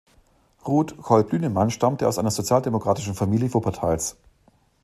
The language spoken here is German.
Ruth Kolb-Lünemann stammte aus einer sozialdemokratischen Familie Wuppertals.